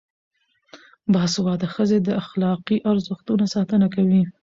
باسواده ښځې د اخلاقي ارزښتونو ساتنه کوي.